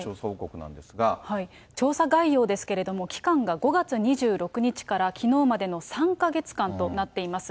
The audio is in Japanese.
調査概要ですけれども、期間が５月２６日からきのうまでの３か月間となっています。